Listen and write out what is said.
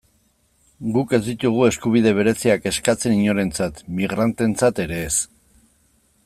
Guk ez ditugu eskubide bereziak eskatzen inorentzat, migranteentzat ere ez.